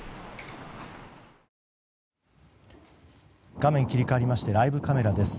画面切り替わりましてライブカメラです。